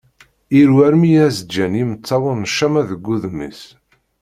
Iru armi i as-ǧǧan yimeṭṭawen ccama deg udem-is.